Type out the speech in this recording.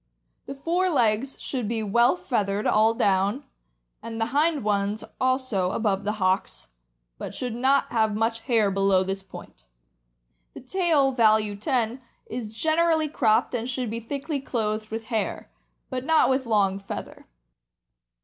The fore legs should be well feathered all down, and the hind ones also, above the hocks, but should not have much hair below this point. The tail (value 10) is generally cropped, and should be thickly clothed with hair, but not with long feather.